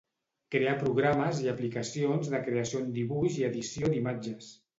Crear programes i aplicacions de creació en dibuix i edició d'imatges.